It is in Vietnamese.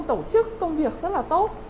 tổ chức công việc rất là tốt